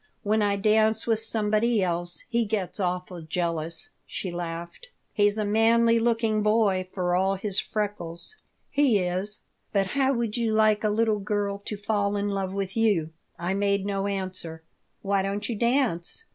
When I dance with somebody else he gets awful jealous." She laughed. "He's a manly looking boy, for all his freckles." "He is. But how would you like a little girl to fall in love with you?" I made no answer "Why don't you dance?"